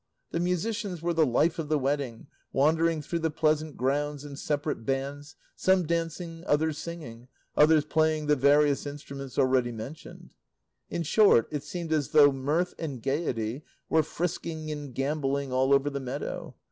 The musicians were the life of the wedding, wandering through the pleasant grounds in separate bands, some dancing, others singing, others playing the various instruments already mentioned. In short, it seemed as though mirth and gaiety were frisking and gambolling all over the meadow.